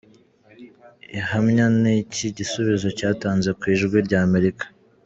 Igihamya ni iki gisubizo yatanze ku ijwi rya Amerika.